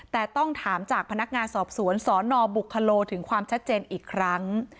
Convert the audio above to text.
แต่ต้องถามจากพนักงานสอบสวนสนบุคโลถึงความชัดเจนอีกครั้ง